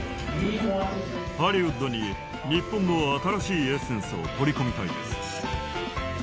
ハリウッドに日本の新しいエッセンスを取り込みたいんです。